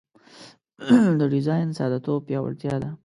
د ډیزاین ساده توب پیاوړتیا ده.